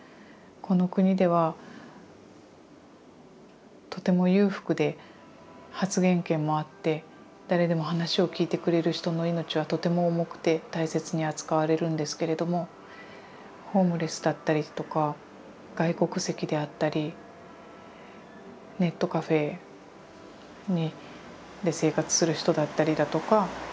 この国ではとても裕福で発言権もあって誰でも話を聞いてくれる人の命はとても重くて大切に扱われるんですけれどもホームレスだったりとか外国籍であったりネットカフェで生活する人だったりだとか。